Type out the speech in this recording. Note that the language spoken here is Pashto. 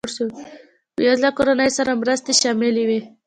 بېوزله کورنیو سره مرستې شاملې وې.